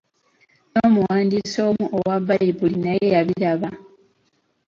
N'omuwandiisi omu owa Bbayibuli naye yabiraba